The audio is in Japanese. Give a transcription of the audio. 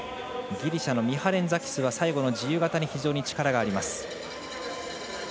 ギリシャのミハレンザキスは最後の自由形に非常に力があります。